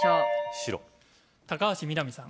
白高橋みなみさん